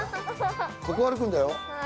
ここ歩くんだよ。